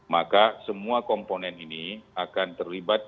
maka semua komponen ini akan terlibat